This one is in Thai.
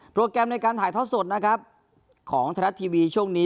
แกรมในการถ่ายทอดสดนะครับของไทยรัฐทีวีช่วงนี้